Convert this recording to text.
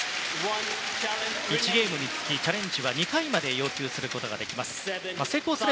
１ゲームにつき、チャレンジは２回まで要求できます。